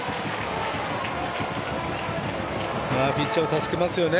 ピッチャーを助けますよね